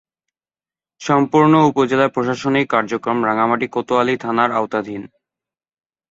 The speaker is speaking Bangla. সম্পূর্ণ উপজেলার প্রশাসনিক কার্যক্রম রাঙ্গামাটি কোতোয়ালী থানার আওতাধীন।